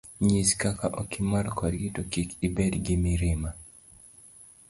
Nyis kaka okimor kodgi, to kik ibed gi mirima.